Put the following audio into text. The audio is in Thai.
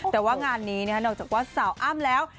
แต่ว่างานนี้นอกจากว่าสาวอ้ำแล้ว